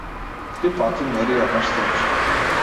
Три пати мери, еднаш сечи.